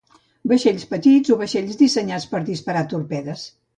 Vaixells petits o vaixells dissenyats per disparar torpedes.